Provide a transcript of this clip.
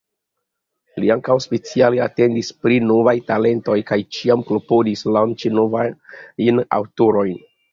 Li ankaŭ speciale atentis pri novaj talentoj kaj ĉiam klopodis lanĉi novajn aŭtorojn.